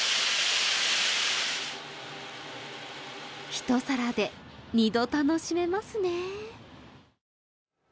一皿で二度楽しめますね。